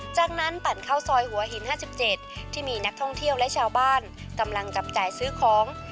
จากนั้นปั่นเข้าซอยหัวหิน๕๗ที่มีนักท่องเที่ยวและชาวบ้านกำลังจับจ่ายซื้อของ